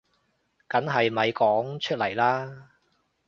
梗係咪講出嚟啦